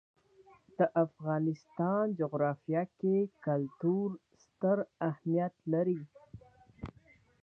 د افغانستان جغرافیه کې کلتور ستر اهمیت لري.